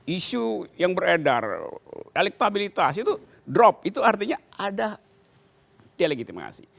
isu yang beredar elektabilitas itu drop itu artinya ada delegitimasi